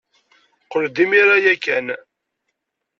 Qqel-d imir-a ya kan.